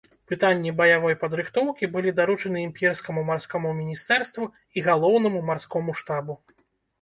Пытанні баявой падрыхтоўкі былі даручаны імперскаму марскому міністэрству і галоўнаму марскому штабу.